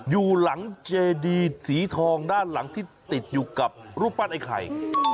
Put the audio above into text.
อยู่หลังเจดีสีทองด้านหลังที่ติดอยู่กับรูปปั้นไอ้ไข่